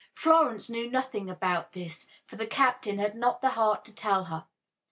Florence knew nothing about this, for the captain had not the heart to tell her.